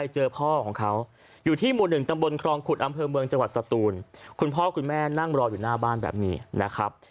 จังหวัดสตูนคุณพ่อคุณแม่นั่งรออยู่หน้าบ้านแบบนี้นะครับ